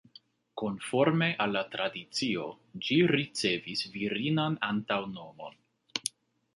Konforme al la tradicio, ĝi ricevis virinan antaŭnomon.